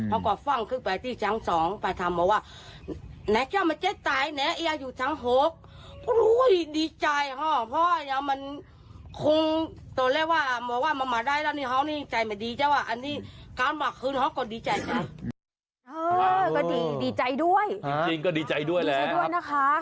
เออก็ดีดีใจด้วยจริงจริงก็ดีใจด้วยแล้วดีใจด้วยนะคะ